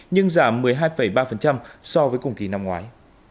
nhưng giảm một mươi hai ba so với cùng kỳ năm ngoái